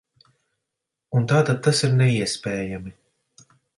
Un tātad tas ir neiespējami.